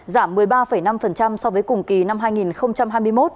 giảm một mươi ba năm so với cùng kỳ năm hai nghìn hai mươi một